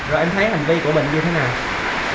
rồi em thấy hành vi của mình như thế nào